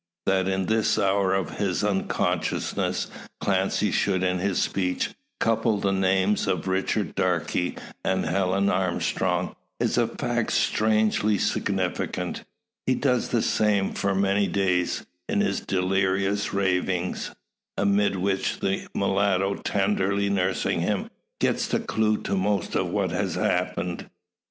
That in this hour of his unconsciousness Clancy should in his speech couple the names of Richard Darke and Helen Armstrong is a fact strangely significant, he does the same for many days, in his delirious ravings; amid which the mulatto, tenderly nursing him, gets the clue to most of what has happened.